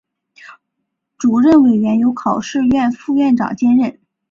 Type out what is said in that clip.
主任委员由考试院副院长兼任。